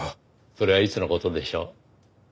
それはいつの事でしょう？